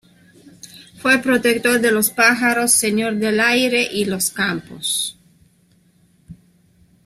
Fue protector de los pájaros, señor del aire y los campos.